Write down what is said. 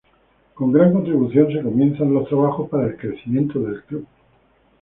Con gran contribución se comienzan los trabajos para el crecimiento del club.